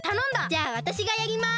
じゃあわたしがやります！